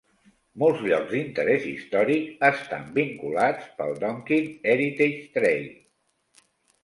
Molts llocs d'interès històric estan vinculats pel "Donkin Heritage Trail".